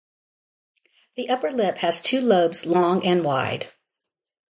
The upper lip has two lobes long and wide.